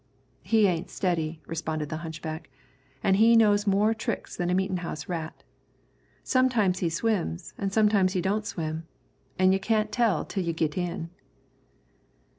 "He ain't steady," responded the hunchback; "an' he knows more tricks than a meetin' house rat. Sometimes he swims an' sometimes he don't swim, an' you can't tell till you git in."